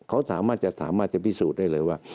เขาสามารถจะพิสูจน์ได้เลยว่า